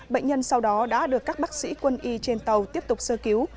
bệnh nhân sau đó đã được các bác sĩ quân y trên tàu tiếp tục sơ cứu